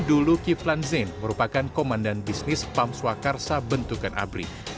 dulu kiflan zain merupakan komandan bisnis pam swakarsa bentukan abri